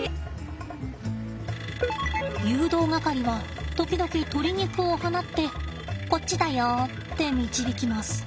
誘導係は時々鶏肉を放ってこっちだよって導きます。